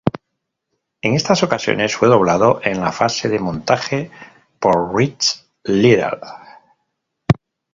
En estas ocasiones fue doblado en la fase de montaje por Rich Little.